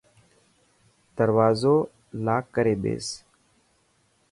دروازو لاڪ ڪري ٻيس.